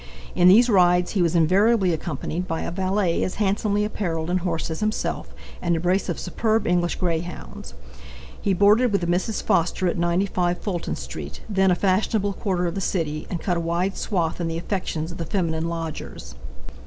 In these rides he was invariably accompanied by a valet as handsomely appareled and horsed as himself, and a brace of superb English greyhounds. He boarded with a Mrs. Foster, at 95 Fulton street, then a fashionable quarter of the city, and cut a wide swath in the affections of the feminine lodgers.